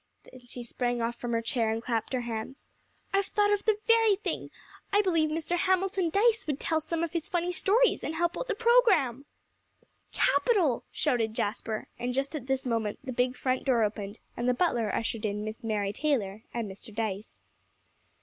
then she sprang off from her chair, and clapped her hands. "I've thought of the very thing. I believe Mr. Hamilton Dyce would tell some of his funny stories and help out the program." "Capital!" shouted Jasper; and just at this moment the big front door opened, and the butler ushered in Miss Mary Taylor and Mr. Dyce.